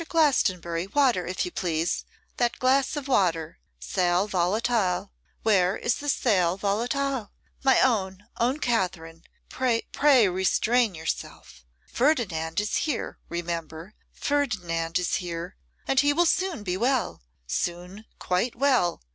Glastonbury, water if you please, that glass of water; sal volatile; where is the sal volatile? My own, own Katherine, pray, pray restrain yourself! Ferdinand is here; remember, Ferdinand is here, and he will soon be well; soon quite well.